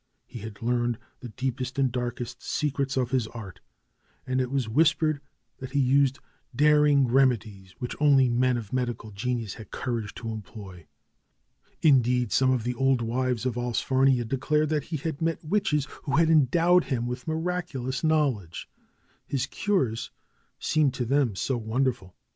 He had learned the deepest and darkest secrets of his art, and it was whispered that he used daring remedies which only men of medical genius had courage to employ. Indeed, some of the old wives of Allsfarnia declared that he had met witches, who had endowed him with miraculous knowl edge — his cures seemed to them so wonderful.